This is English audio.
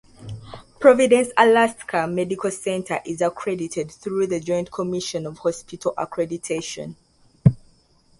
Providence Alaska Medical Center is accredited through the Joint Commission of Hospital Accreditation.